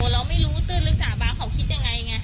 เราไม่รู้ตื้นลึกสาบาเขาคิดยังไงไง